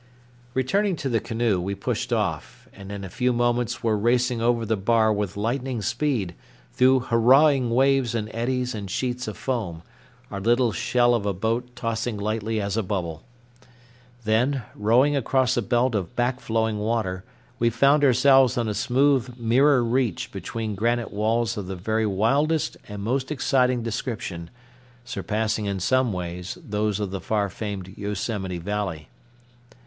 Returning to the canoe, we pushed off, and in a few moments were racing over the bar with lightning speed through hurrahing waves and eddies and sheets of foam, our little shell of a boat tossing lightly as a bubble. Then, rowing across a belt of back flowing water, we found ourselves on a smooth mirror reach between granite walls of the very wildest and most exciting description, surpassing in some ways those of the far famed Yosemite Valley.